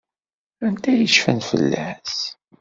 Anta i yecfan fell-as?